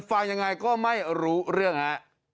ฟังอย่างไรก็ไม่รู้เรื่องน่ะ